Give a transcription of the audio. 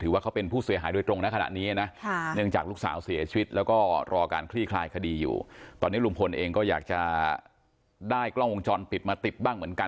ถือว่าเขาเป็นผู้เสียหายด้วยตรงนะขนาดนี้นะ